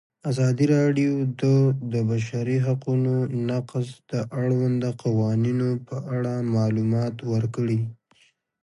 ازادي راډیو د د بشري حقونو نقض د اړونده قوانینو په اړه معلومات ورکړي.